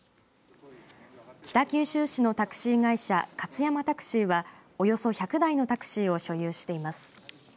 北九州市のタクシー会社勝山タクシーはおよそ１００台のタクシーを所有しています。